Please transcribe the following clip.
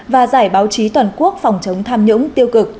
và giải báo chí toàn quốc phòng chống tham nhũng tiêu cực